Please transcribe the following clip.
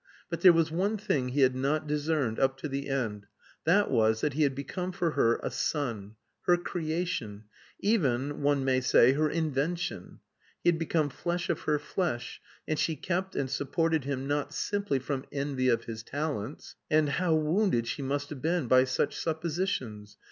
But there was one thing he had not discerned up to the end: that was that he had become for her a son, her creation, even, one may say, her invention; he had become flesh of her flesh, and she kept and supported him not simply from "envy of his talents." And how wounded she must have been by such suppositions!